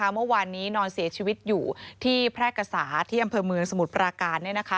เมื่อวานนี้นอนเสียชีวิตอยู่ที่แพร่กษาที่อำเภอเมืองสมุทรปราการ